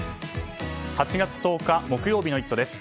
８月１０日、木曜日の「イット！」です。